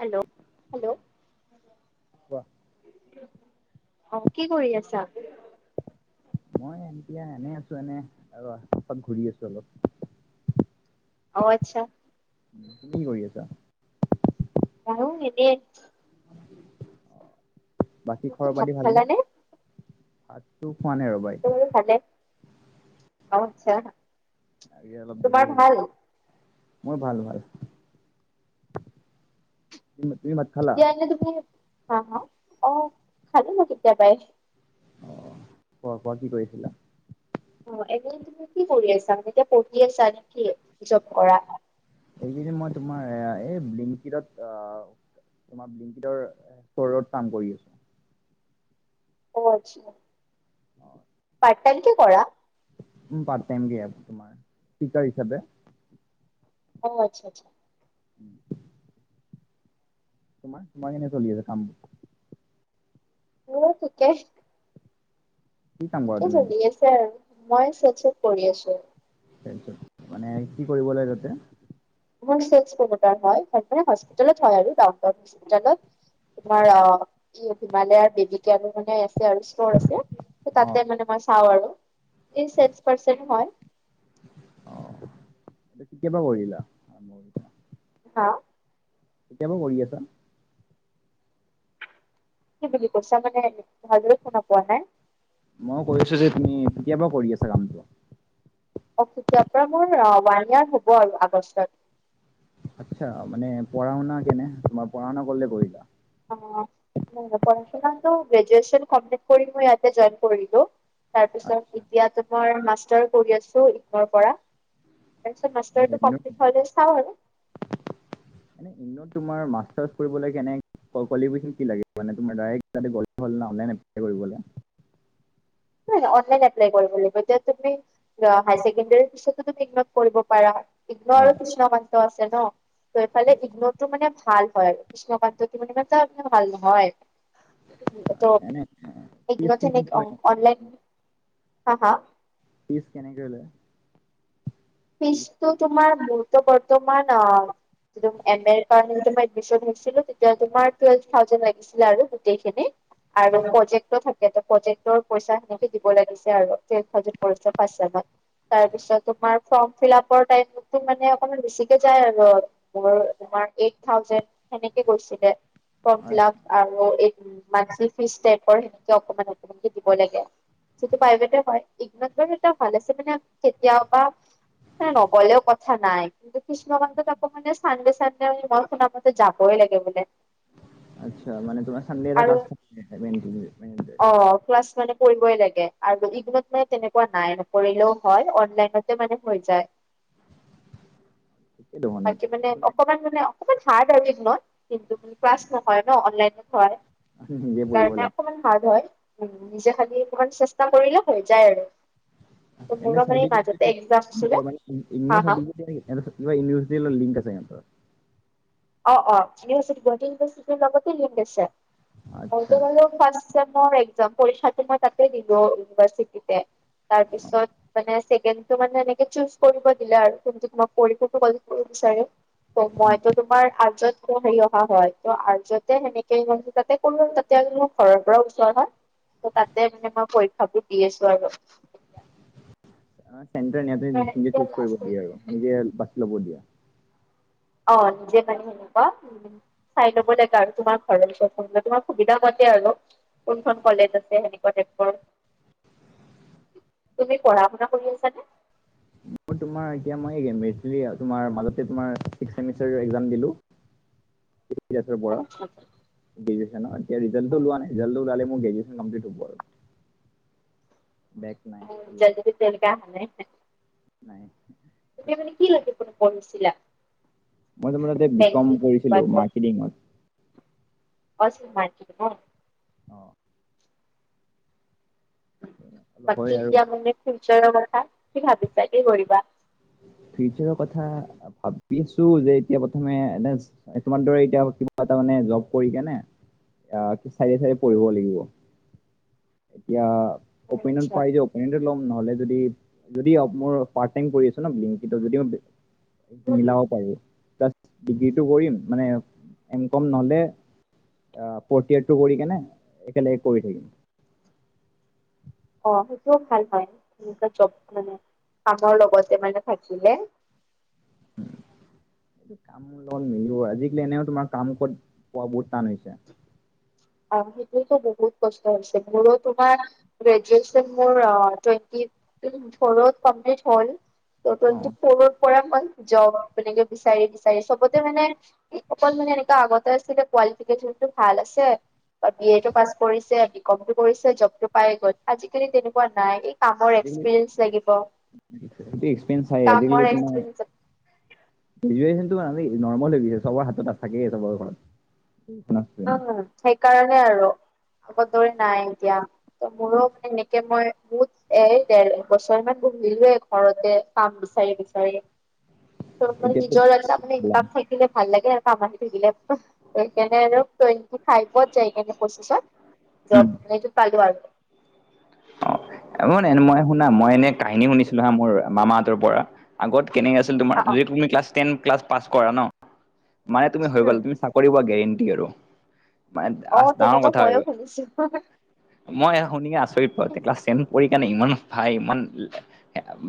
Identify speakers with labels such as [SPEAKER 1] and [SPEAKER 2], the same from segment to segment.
[SPEAKER 1] Hello hello!
[SPEAKER 2] কোৱা
[SPEAKER 1] অ কি কৰি আছা?
[SPEAKER 2] মই এতিয়া এনে আছো এনে আৰু এপাক ঘূৰি আছো অলপ।
[SPEAKER 1] অ আচ্ছা।
[SPEAKER 2] তুমি কি কৰি আছা?
[SPEAKER 1] হলও নিদিয়ে।
[SPEAKER 2] বাকী খৰৰ
[SPEAKER 1] তুমি ভাত
[SPEAKER 2] পাতি ভালনে?
[SPEAKER 1] খালানে
[SPEAKER 2] তো ফোৱানে ৰ'বা
[SPEAKER 1] মোৰতো
[SPEAKER 2] এতিয়া।
[SPEAKER 1] বাৰু ভালে আচ্ছা।
[SPEAKER 2] আজি অলপ
[SPEAKER 1] তোমাৰ
[SPEAKER 2] দেৰি হব।
[SPEAKER 1] ভাল
[SPEAKER 2] মোৰ ভাল ভাল, তুমি ভাত খালা?
[SPEAKER 1] আহা, অ খালো মই কেতিয়া পাই।
[SPEAKER 2] অ, কোৱা কোৱা কি কৰিছিলা?
[SPEAKER 1] অ এদিন তুমি কি কৰি আছা এতিয়া পঢ়ি আছা নেকি জব কৰা?
[SPEAKER 2] এইকেইদিন তোমাৰ এই ব্লিংকিটত অ তোমাৰ ব্লিংকিতৰ ফৰত কাম কৰি আছো।
[SPEAKER 1] অ আচ্ছা।
[SPEAKER 2] হয়।
[SPEAKER 1] টানকে কৰা।
[SPEAKER 2] উম পাৰ্ট টাইম দিয়ে তোমাৰ, ঠিকাৰ হিচাপে।
[SPEAKER 1] অ আচ্ছা আচ্ছা।
[SPEAKER 2] উম [inaudible] তোমাৰ তোমাৰ এনে চলি আছে কাম?
[SPEAKER 1] মোৰ ঠিকে।
[SPEAKER 2] কি কাম কৰা
[SPEAKER 1] ঠিকে
[SPEAKER 2] তুমি
[SPEAKER 1] চলি
[SPEAKER 2] এতিয়া?
[SPEAKER 1] আছে আৰু মই চতচত কৰি আছো।
[SPEAKER 2] তাৰ পিছত মানে কি কৰিব লাগে তাতে?
[SPEAKER 1] া [inaudible] ৰ হয়ে হ্পিত হয় আৰু ডাউনটাউ্পিত তোমাৰ অ হিমালয়াৰ বেবি কেয়াৰটো মানে আচ জেণ্টছফৰ আছে
[SPEAKER 2] অ
[SPEAKER 1] তাতে মানে মই চাও আৰু। এই চেলচ পাৰচান হয়।
[SPEAKER 2] অ, এ কেতিয়াৰ পৰা কৰিলা?
[SPEAKER 1] হা?
[SPEAKER 2] কেতিয়াবা কৰি আছা?
[SPEAKER 1] কি বুলি কৈছা মানে ভালদৰে শুনা পোৱা নাই?
[SPEAKER 2] মই কৈ আছো যে তুমি কেতিয়াবা কৰি আছা কামটো?
[SPEAKER 1] অ তেতিয়াৰ পৰা মোৰ ওৱান ইয়াৰ হ'ব আৰু আগষ্টত।
[SPEAKER 2] আচ্ছা মানে পঢ়া শুনা কেনে তোমাৰ পঢ়া শুনা কৰলে কৰিলা?
[SPEAKER 1] অ। নাই নাই পঢ়া শুনাটো গ্ৰেজুৱেচন কমপ্লিট কৰি মই ইয়াতে জইন কৰিলো। তাৰ পিছত
[SPEAKER 2] আচ্ছা
[SPEAKER 1] এতিয়াতো মই মাষ্টাৰ কৰি আছো ইগ পৰা। তাৰপিছত
[SPEAKER 2] অ
[SPEAKER 1] মাষ্টাৰটো
[SPEAKER 2] ইগনট
[SPEAKER 1] কমপ্লিট হলে চাওঁ আৰু।
[SPEAKER 2] এনে ইগনট তোমাৰ মাষ্টাৰ্চ কৰিবলৈ কেনে কুৱালিফিচন কি লাগে [unintelligible]
[SPEAKER 1] [unintelligible] অনলাইন এপ্লাই কৰিব লাগিব এতিয়া তুমি ধৰা হায়াৰ ছেকেণ্ডাৰী পিছতো তুমি কৰিব পাৰা ইগ্ন
[SPEAKER 2] অ
[SPEAKER 1] আৰু কৃষ্ণকান্ত আছে ন। ত এইফালে ইগ্নটো মানে ভাল হয় আৰু কৃষ্ণকান্তটো মানে ইমান ভাল নহয়। ত
[SPEAKER 2] এনে
[SPEAKER 1] এই
[SPEAKER 2] ফিজ
[SPEAKER 1] মথ
[SPEAKER 2] কেনেকে লয় ইহঁতে?
[SPEAKER 1] অনলাইন হা হা
[SPEAKER 2] ফিছ কেনেক লয়? ফিজ
[SPEAKER 1] ফিষ্টো তোমাৰ মোৰটো বৰ্তমান অ এম এৰ কাৰণে মই এডমিন হৈছিলো তেতিয়া তোমাৰ টৱেলভে থাউজেণ্ড লাগিছিলে আৰু গোটেইখিনি। আৰু প্ৰজেকট থাক প্ৰজেক্টৰ পইচা সেনেকে দিব লাগিছে আৰু পাঁচত। তাৰ পিছত তোমাৰ ফৰ্ম ফিলাপৰ টাইমত এ মানে অকমান বেছিকে যায় আৰু তোমাৰ এইট থাউজেণ্ড সেনেকে গৈছিলে ফৰ্ম ফিল
[SPEAKER 2] আচ্ছা
[SPEAKER 1] আপ আৰু উ মান ফিচ টাইপৰ হেনেকে অকমান অকমানকে দিব লাগে। যিটো প্ৰাইভেট হয় ই এটা ভাল আছে মানে কেতিয়াবা। [inaudible] নগলেও কথা নাই, [unintelligible] কই লাগে বোলে।
[SPEAKER 2] আচ্ছা মানে তোমাৰ চানডে এটা
[SPEAKER 1] আৰু
[SPEAKER 2] ক্লাছ [inaudible]
[SPEAKER 1] অ ক্লাছ মানে কৰিবই লাগে আৰু যদি মানে তেনেকুৱা নাই নকৰিলেও হয় অনলাইনতে মানে হৈ যায়।
[SPEAKER 2] ঠিকে দেখোন
[SPEAKER 1] বাকী মানে
[SPEAKER 2] তুমি
[SPEAKER 1] অকমান মানে অকণমান হাৰ্ড ন কিন্তু ক্লাছ নহয় ন অনলাইন। হয়
[SPEAKER 2] নিজে পঢ়িব
[SPEAKER 1] সেইকাৰণে
[SPEAKER 2] লাগে।
[SPEAKER 1] অকমান হাৰ্ড হয়। উ নিজে খালি অকমান চেষ্টা কৰিলে হৈ যায় আৰু।
[SPEAKER 2] এনে
[SPEAKER 1] মুগা মানে মাজতে
[SPEAKER 2] চাৰ্টিফিকেট
[SPEAKER 1] একজাম
[SPEAKER 2] মানে ই [unintelligible] লিংক আছে সিহঁতৰ।
[SPEAKER 1] অ অ ইউনিভাৰ্চিট গুৱাহাটী ইউভাৰ্চিটিৰ লগতে লিংক লৈছে।
[SPEAKER 2] আচ্ছা
[SPEAKER 1] [unintelligible] মোৰ একজাম পৰীক্ষাটো মই তাতে দিলো ইউনিভাৰ্চিটিতে। তাৰপিছত মানে ছেকেণ্ড টো মানে চুজ কৰিব দিলে আৰু [unintelligible] মইতো- আমাৰ আৰ্টছ হেৰি অহা হয় আৰ্টছ সেনেকে যাতে কোনো তাতে ম ঘৰৰ পৰা তাতে মানে মই পৰীক্ষাবোৰ দি আছো আৰু।
[SPEAKER 2] চোৰ নিজে
[SPEAKER 1] এতিয়া
[SPEAKER 2] চুজ কৰিব
[SPEAKER 1] লাষ্ট
[SPEAKER 2] দিয়ে আৰু নিজে বাছি ল'ব দিয়ে।
[SPEAKER 1] অ নিজে মানে সেনেকুৱা উ চাই লব লাগে আৰু তোমাৰ ঘৰৰ তোমাৰ সুবিধা। আৰু কোনখন কলেজ আছে সেনেকুৱা টাইপৰ? তুমি
[SPEAKER 2] আৰু
[SPEAKER 1] পঢ়া শুনা কৰি আছানে?
[SPEAKER 2] মোৰ তোমাৰ এতিয়া মই মাজতে তোমাৰ ছিক্স ছেমিষ্টাৰ একজাম দিলোঁ।
[SPEAKER 1] উ [inaudible]
[SPEAKER 2] গ্ৰেজুৱেচনৰ এতিয়া ৰিজাল্টটো ওলোৱা নাই ৰিজাল্ট টো ওলালে গ্ৰেজুৱেচন কমপ্লিট হব আৰু। বেক নাই
[SPEAKER 1] উ য
[SPEAKER 2] ইয়াতে
[SPEAKER 1] তেনেক নে
[SPEAKER 2] নাই।
[SPEAKER 1] তুমি মানে কি লৈ গিনে পঢ়িছিলা।
[SPEAKER 2] মই তোমাৰ তাতে বিকম
[SPEAKER 1] বেংকিং বা
[SPEAKER 2] কৰিছিলো মাৰ্কেটিঙত।
[SPEAKER 1] [unintelligible]
[SPEAKER 2] অ অলপ হয়
[SPEAKER 1] বাকী
[SPEAKER 2] আৰু
[SPEAKER 1] দিয়া মানে ফিউচাৰৰ কথা কি ভাবিছা কি কৰিবা?
[SPEAKER 2] ফিউচাৰৰ কথা ভাবি আছো যে এতিয়া প্ৰথমে এ তোমাৰ দৰে এতিয়া কিবা এটা মানে জব কৰি কেনে চাৰিয়ে চাৰিয়ে পঢ়িব লাগিব। এতিয়া অপিনিয়ন
[SPEAKER 1] আচ্ছা
[SPEAKER 2] পাই যে নহ'লে যদি যদি পাৰ্ট টাইম কৰি লিংকিতত যদি মই যদি
[SPEAKER 1] উম উম
[SPEAKER 2] মিলাব পাৰো ডিগ্ৰীটো কৰিম মানে এম কম নহ'লে আহ ফোৰ্ট গ্ৰেড তো কৰি কেনে একেলগে কৰি থাকিম।
[SPEAKER 1] [unintelligible] হয়ও ভাল হয় মানে [inaudible] আমৰ লগতে মানে থাকিলে
[SPEAKER 2] এইটো কামোৰ লগল মিলিব আজিকালি এনেও তোমাৰ কাম কত পোৱা বহুত টান হৈছে।
[SPEAKER 1] সেইটো বহুত কষ্ট হৈছে মোৰো তোমাৰ গ্ৰেজুৱেচন মোৰ টুৱেন্টি ফোৰত কমপ্লিট হ'ল ফোৰ
[SPEAKER 2] অঁ
[SPEAKER 1] টোৱেনটি ফোৰত পৰা অ জব এনেকে বিচাৰি বিচাৰি চবতে মানে অকল মানে এনেকা আগতে আছিলে কোৱালিফেক- যোনটো ভাল আছে। বি এ তো পাছ কৰিছে, বি কম টো কৰিছে, জব টো পাই গল আজিকালি তেনেকুৱা নাই। কামৰ
[SPEAKER 2] আজিকালি
[SPEAKER 1] এক্সপিৰিয়েঞ্চ লাগিব
[SPEAKER 2] সেইটো এক্সপেৰিয়েঞ্চ
[SPEAKER 1] কামৰ এক্সপিৰিয়েঞ্চ
[SPEAKER 2] গ্ৰেজুৱেচনটো আমি নৰ্মেল হৈ গৈছে চবৰ হাতত থাকেই চবৰ ঘৰত
[SPEAKER 1] উম সেইকাৰণে আৰু আগৰ দৰে নাই এতিয়া মোৰো মানে এনেকে মই বহুত এ ডেৰ বছৰমান মিলে ঘৰতে কাম বিচাৰি বিচাৰি ত মানে
[SPEAKER 2] এতিয়াতো
[SPEAKER 1] নিজৰ এটা মানে ইনকাম থাকিলে ভাল লাগে আৰু কাম আহি থাকিলে সেইকাৰণে আৰু টুৱেন্টি ফাইভত যাই কিনে প্ৰশিচত জব এই টো পালো আৰু
[SPEAKER 2] অ ম মই শুনা মই এনে কাহিনী শুনিছিলো হা মোৰ মামাহঁতৰ পৰা আগত কেনেকে আছিল তোমাৰ
[SPEAKER 1] অ', অ',
[SPEAKER 2] যি তুমি ক্লাছ টেন ক্লাছ পাছ কৰা ন মানে তুমি হৈ
[SPEAKER 1] উম,
[SPEAKER 2] গল তুমি চাকৰি পোৱা গেৰেণ্টি আৰু মানে
[SPEAKER 1] অ',
[SPEAKER 2] ডাঙৰ
[SPEAKER 1] তেনেকুৱা
[SPEAKER 2] কথা
[SPEAKER 1] ময়ো
[SPEAKER 2] হয়,
[SPEAKER 1] শুনিছো।
[SPEAKER 2] মই শুনি আচৰিত পাও ক্লাছ টেন পঢ়ি সেইকাৰণে ইমান ভাই ইমান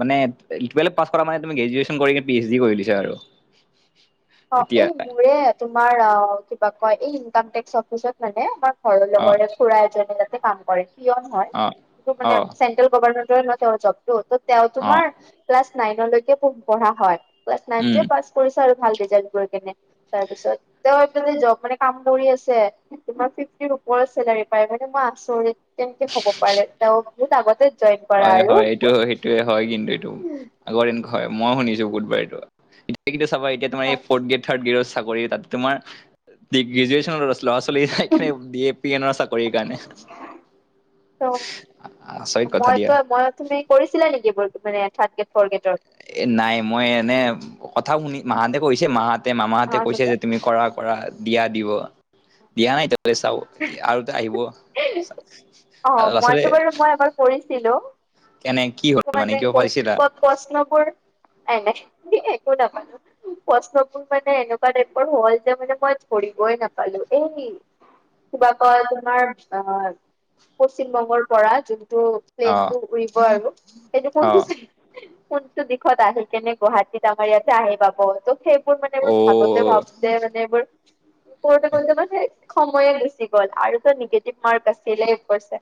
[SPEAKER 2] মানে টুৱেলভ পাছ কৰা মানে তুমি গ্ৰেজুৱেচন কৰি পি এইচ ডি কৰিলি পিছে আৰু
[SPEAKER 1] [inaudible] অ
[SPEAKER 2] এতিয়া
[SPEAKER 1] এই মোৰে তোমাৰ অ কিবা কয় ইনকাম টেক্সৰ অফিচত মানে বা হয়ৰ
[SPEAKER 2] অ
[SPEAKER 1] লগৰে খুড়া এজনে কাম কৰে পিয়ন হয়
[SPEAKER 2] অ
[SPEAKER 1] খুব
[SPEAKER 2] অ
[SPEAKER 1] মানে ছেন্টেল গভাৰ্ণমেণ্ট তেওঁ ন তেওঁ জবটো তেওঁ
[SPEAKER 2] অ
[SPEAKER 1] তোমাৰ ক্লাছ নাইনলৈকে পঢ়া হয়। ক্লাছ
[SPEAKER 2] উম
[SPEAKER 1] নাইনতে পাচ্ কৰিছে আৰু যইন কৰি কিনে তাৰপিছত তেওঁ যত মানে কাম কৰি আছে, তোমাৰ ফিফটি চেলাৰি পাই মানে মই আচৰিত কেনেকে হ'ব পাৰে তেওঁ বহুত আগতে জইন কৰা
[SPEAKER 2] হয়
[SPEAKER 1] আৰু
[SPEAKER 2] হয় এইটো সেইটোয়ে হয় কিন্তু এইটো আগৰ দিন হয় মই শুনিছো বু- এতিয়া চাবা এতিয়া তোমাৰ ফৰ্ট গেদ থাৰ্ট গেটৰ চাকৰি তাত তোমাৰ দিগ্ গ্ৰেজুৱেচন ল'ৰা ছোৱালী বি এ পি এ ন চাকৰিৰ কাৰণে
[SPEAKER 1] ত
[SPEAKER 2] আচৰিত কথা
[SPEAKER 1] মই
[SPEAKER 2] দিয়া
[SPEAKER 1] তো মই তুমি কৰিছিলা নেকি ব মানে থাৰ্ড গ্ৰেড ফৰ গ্ৰেডৰ
[SPEAKER 2] এ নাই মই এনে কথা শুনি মা হঁতে কৈছে মাহ তে মামাহঁতে কৈছে
[SPEAKER 1] গেটৰ
[SPEAKER 2] যে তুমি কৰা- কৰা দিয়া দিব দিয়া নাই [unintelligible] চাব এতিয়া আৰু এটা আহিব।
[SPEAKER 1] অহ,
[SPEAKER 2] আচলতে
[SPEAKER 1] মইতো বাৰু মই এবাৰ কৰিছিলো।
[SPEAKER 2] কেনে কি হ'ল মানে কিবা পাইছিলা
[SPEAKER 1] মানে [unintelligible] এ নাই একো নকয়। কষ্টবোৰ মানে এনেকুৱা টাইপৰ হল যে মানে মই ধৰিবই নাপালো এই কিবা কয় তোমাৰ অহ পশ্চিম বংগৰ পৰা যোন টো
[SPEAKER 2] অ
[SPEAKER 1] প্লেনটো উৰিব আৰু এনে
[SPEAKER 2] অ
[SPEAKER 1] কোনটো চাই কোনটো দিশত আহি কিনে গুৱাহাটীত আমাৰ ইয়াতে আহি পাব তো সেই মোৰ মানে এইবোৰ
[SPEAKER 2] অ
[SPEAKER 1] ভাবোতে- ভাবোতে মানে এইবোৰ কৰোতে -কৰোতে মানে সময়ে গুচি গ'ল আৰুতো নিগেটিভ মাৰ্ক আছিলে ওপৰচে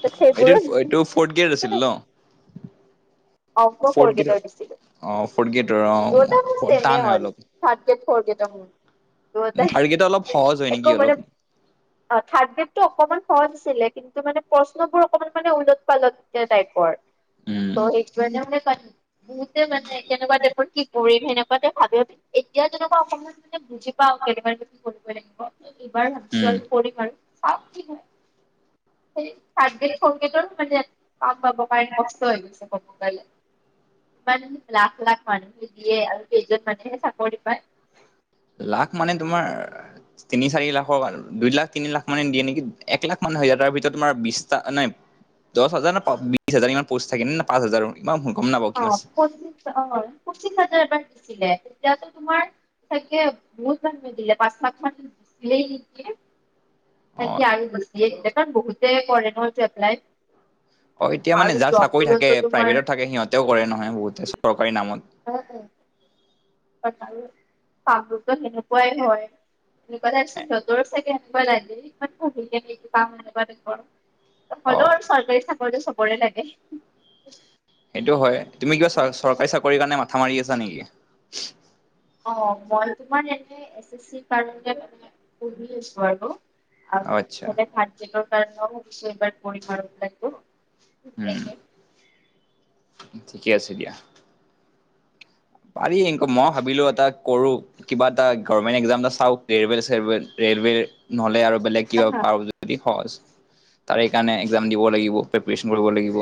[SPEAKER 1] ত'
[SPEAKER 2] এইটো
[SPEAKER 1] সেইবোৰত
[SPEAKER 2] এইটো ফৰ্থ গ্ৰেড আছিল
[SPEAKER 1] [unintelligible]
[SPEAKER 2] ন
[SPEAKER 1] আও ক ফ্ৰৰ
[SPEAKER 2] ফ'ৰ্থ গেটৰ
[SPEAKER 1] গেটত দিছিলোঁ।
[SPEAKER 2] অ ফ'ৰ্থ গেটৰ অ
[SPEAKER 1] দুয়োটাই ত চেমে
[SPEAKER 2] টান হয়
[SPEAKER 1] হ'ল
[SPEAKER 2] অলপ
[SPEAKER 1] থ্ৰাড গ্ৰেট ফৰ গেডৰ হেনোঁ
[SPEAKER 2] থাৰ্ড গেটৰ অলপ
[SPEAKER 1] দুয়োটাই
[SPEAKER 2] সহজ হয় নেকি
[SPEAKER 1] একো
[SPEAKER 2] অলপ
[SPEAKER 1] মানে অ থাৰ্ড গেড টো অকমান সহজ আছিলে কিন্তু মানে প্ৰশ্নবোৰ অকমান মানে উলট পালট টাইপৰ।
[SPEAKER 2] উম
[SPEAKER 1] ত সেই কাৰণে মানে তাত বহুতে মানে কেনেকুৱা টাইপত কি কৰিম সেনেকুৱাতে ভাবে এতিয়া যেনেকুৱা অসমত মানে বুজি পাওঁ ন বাৰ কৰিব লাগিব এইবাৰ ভ
[SPEAKER 2] উম।
[SPEAKER 1] কৰিম আৰু চ কি হয় সেই থাৰ্ড গ্ৰেড - ফৰ্ট গ্ৰেডৰ মানে কাম পাব কাৰনে কষ্ট হৈ গৈছে কব গলে। মান লাখ- লাখ মানুহটো দিয়ে কেইজন মানহে চাকৰি পায়।
[SPEAKER 2] লাখ মানে তোমাৰ তিনি -চাৰি লাখৰ দুই লাখ, তিনি লাখ মানে দিয়ে নেকি এক লাখ মান হৈ যায় তাৰ ভিতৰত তোমাৰ বিছটা নাই দছ হাজাৰ না বিছ হাজাৰ ইমান পোষ্ট থাকে নে না পাঁচ হাজাৰ ইমান গম নাপাওঁ কিমান
[SPEAKER 1] অহ, পঁচিশ অ পঁচিশ হাজাৰ এবাৰ দিছিলে তেতিয়াতো তোমাৰ ছাগে বহুত [unintelligible] নিদিলে পাঁচ লাখ মান দিলেই নেকি
[SPEAKER 2] অ
[SPEAKER 1] তাকে আৰু গুছিয়ে দিলে কাৰণ বহুতে কৰে ন' এইটো এপ্লাই
[SPEAKER 2] অহ, এতিয়া মানে
[SPEAKER 1] আৰু
[SPEAKER 2] যাৰ চাকৰি থাকে
[SPEAKER 1] জববোৰতো তোমাৰ
[SPEAKER 2] প্ৰাইভেটত থাকে সিহঁতেও কৰে
[SPEAKER 1] উম,
[SPEAKER 2] নহয় বহুতে চৰকাৰি নামত
[SPEAKER 1] কামৰূপ টো সেনেকুৱাই হয় সেনেকুৱা তাৰছত সিহতৰ চাগে [unintelligible] হ'ল আকৌ
[SPEAKER 2] অ
[SPEAKER 1] চৰকাৰী চাকৰি চব কৰে লাগে।
[SPEAKER 2] সেইটো হয় তুমি কিবা
[SPEAKER 1] আজিকালি
[SPEAKER 2] চৰকাৰী চাকৰি কাৰণে মাথা মাৰি আছা নেকি?
[SPEAKER 1] অহ, মই তোমাৰ এনে এ ছে ছিৰ কাৰনে পঢ়ি আছো হয় ন '?
[SPEAKER 2] অ আচ্ছা
[SPEAKER 1] [unintelligible]
[SPEAKER 2] উম ঠিকে আছে দিয়া। পাৰি এনকে মই ভাবিলোঁ এটা কৰো কিবা এটা গৰ্মেন্ট এক্সাম এটা চাও ৰেলৱে - চেৰৱেল ৱেৰ নহ'লে আৰু বেলেগ কিবা
[SPEAKER 1] আহা
[SPEAKER 2] পাও যদি সহজ। তাৰে কাৰণে এক্সাম দিব লাগিব পিপিৰেচন কৰিব লাগিব।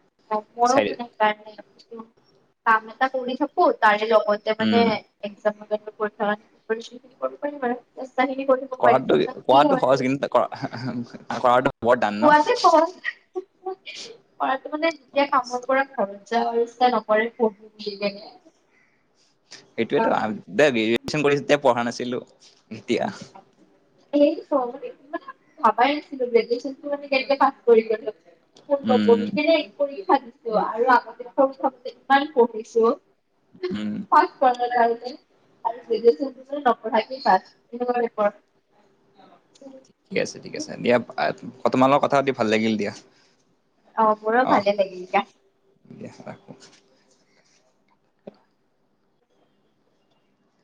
[SPEAKER 1] অহ,
[SPEAKER 2] চাই
[SPEAKER 1] [unintelligible] মই এতিয়া মানে একজামৰ কাৰনে পৰীক্ষাৰ কাৰণে
[SPEAKER 2] উম
[SPEAKER 1] পিপিৰেশ্যন খিনি কৰিব পাৰিম আৰু [unintelligible] ইমানখিনি কৰিব
[SPEAKER 2] কৰাটো
[SPEAKER 1] পাৰিছো
[SPEAKER 2] কৰাটো
[SPEAKER 1] পাছত
[SPEAKER 2] সহজ কিন্তু কৰা
[SPEAKER 1] কি হয় আৰু
[SPEAKER 2] কৰাটো বৰ টান ন
[SPEAKER 1] কোৱাতে সহজ, কৰাটো মানে যেতিয়া কামৰ পৰা ঘৰত যাওঁ আৰু ইচ্ছা নকৰে পঢ়ো বুলি কেনে।
[SPEAKER 2] এইটোয়ে টো আগতে গ্ৰেযুয়েশন কৰি পঢ়া নাছিলোঁ তেতিয়া
[SPEAKER 1] এই মই মানে ইমান ভাবাই নাছিলোঁ গ্ৰেজো ৱেচন টো মানে আমি কেনেকে পাছ কৰিম [unintelligible]
[SPEAKER 2] উম
[SPEAKER 1] নকবি দেই কৰি থাকিছো আৰু আগতে সৰু থাকোঁতে ইমান
[SPEAKER 2] উম
[SPEAKER 1] পঢ়িছো। [unintelligible] [unintelligible]
[SPEAKER 2] ঠিক আছে- ঠিক আছে দিয়া তোমালগত কথা পাতি ভাল লাগিল দিয়া।
[SPEAKER 1] অ মোৰো
[SPEAKER 2] অহ,
[SPEAKER 1] ভালে লাগিল দিয়া।
[SPEAKER 2] দিয়া ৰাখো।